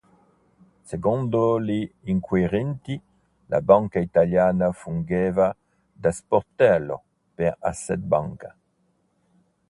Secondo gli inquirenti la banca italiana fungeva "da sportello" per Asset Banca.